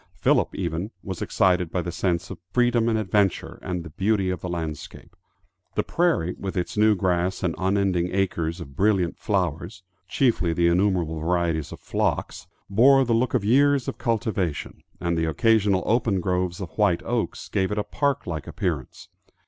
Philip even was excited by the sense of freedom and adventure, and the beauty of the landscape. The prairie, with its new grass and unending acres of brilliant flowers chiefly the innumerable varieties of phlox bore the look of years of cultivation, and the occasional open groves of white oaks gave it a park like appearance.